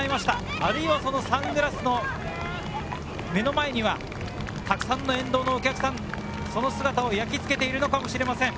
あるいはサングラスの目の前にはたくさんの沿道のお客さん、その姿を焼き付けているのかもしれません。